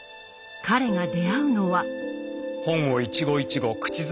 彼が出会うのは。